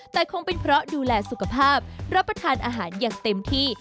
แต่คงเป็นเพราะดูแลสุขภาพรับประทานอาหารอย่างเต็มที่